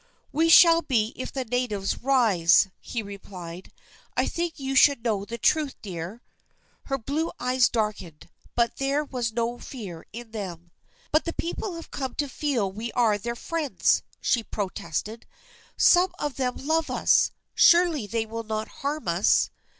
"We shall be if the natives rise," he replied. "I think you should know the truth, dear." Her blue eyes darkened, but there was no fear in them. "But the people have come to feel we are their friends," she protested. "Some of them love us. Surely they will not harm us."